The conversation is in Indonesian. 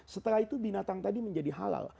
setelah itu binatang tadi menjadi halal